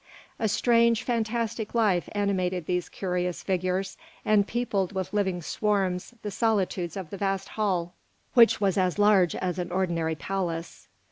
A strange, fantastic life animated these curious figures, and peopled with living swarms the solitudes of the vast hall, which was as large as an ordinary palace.